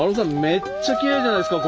めっちゃきれいじゃないですか